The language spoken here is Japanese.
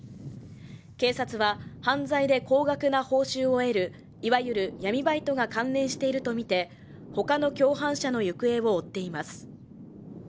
警察は犯罪で高額な報酬を得る、いわゆる闇バイトが関連しているとみて他の共犯者の行方を追っています。